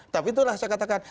tapi itulah saya katakan